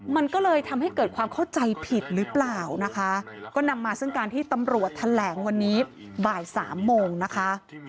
มันก็เลยทำให้เกิดความเข้าใจผิดหรือเปล่านะคะก็นำมาซึ่งการที่ตำรวจแถลงวันนี้บ่ายสามโมงนะคะ